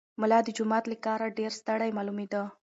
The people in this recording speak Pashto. ملا د جومات له کاره ډېر ستړی معلومېده.